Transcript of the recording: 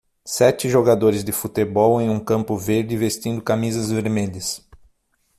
Sete jogadores de futebol em um campo verde vestindo camisas vermelhas